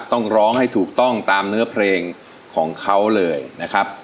ต้องร้องให้ถูกต้องตามเนื้อเพลงของเขาเลยนะครับ